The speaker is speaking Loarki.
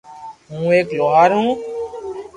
ھون ايڪ لوھار ھون